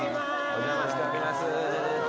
お邪魔しております。